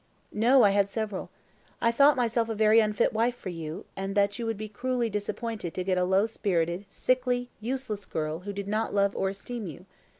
"No; I had several. I thought myself a very unfit wife for you, and that you would be cruelly disappointed to get a low spirited, sickly, useless girl who did not love or esteem you.